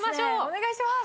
お願いします！